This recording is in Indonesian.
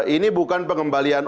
ini bukan pengembalian